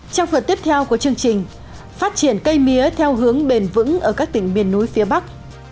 trong phần tiếp theo của chương trình phát triển cây mía theo hướng bền vững ở các tỉnh miền núi phía bắc